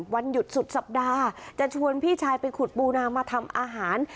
วันหยุดสุดสัปดาห์จะชวนพี่ชายไปขุดปูนามาทำอาหาร